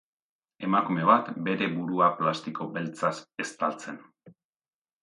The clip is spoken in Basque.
Emakume bat, bere burua plastiko beltzaz estaltzen.